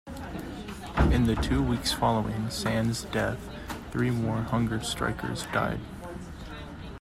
In the two weeks following Sands' death, three more hunger strikers died.